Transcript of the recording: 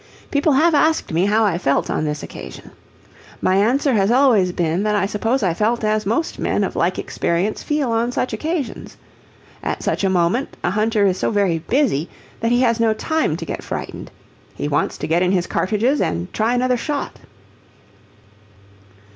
People have asked me how I felt on this occasion. My answer has always been that I suppose I felt as most men of like experience feel on such occasions. At such a moment a hunter is so very busy that he has no time to get frightened. He wants to get in his cartridges and try another shot.